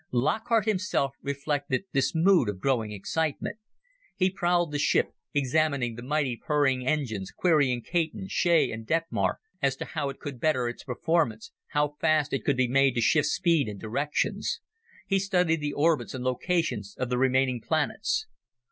Lockhart himself reflected this mood of growing excitement. He prowled the ship, examining the mighty purring engines, querying Caton, Shea and Detmar as to how it could better its performance, how fast it could be made to shift speed and directions. He studied the orbits and locations of the remaining planets.